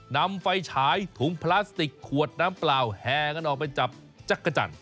นำไฟฉายถุงพลาสติกขวดน้ำเปล่าแห่กันออกไปจับจักรจันท